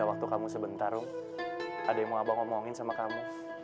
waktu kamu sebentar ada yang mau abang ngomongin sama kamu